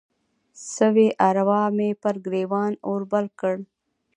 سوي اروا مې پر ګریوان اور بل کړ